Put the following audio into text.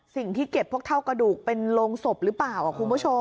เก็บพวกเท่ากระดูกเป็นโรงศพหรือเปล่าคุณผู้ชม